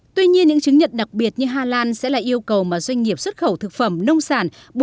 tuy nhiên những chứng nhận đặc biệt như hà lan sẽ là yêu cầu mà doanh nghiệp xuất khẩu thực phẩm nông sản